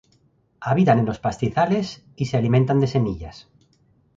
Habitan en los pastizales y se alimentan de semillas.